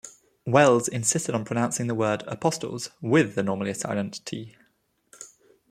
Welles insisted on pronouncing the word 'apostles' with the normally silent 't'.